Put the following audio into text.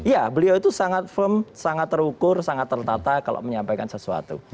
ya beliau itu sangat firm sangat terukur sangat tertata kalau menyampaikan sesuatu